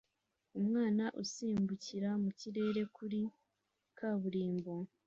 Umwana asimbukira mu kirere kuri kaburimbo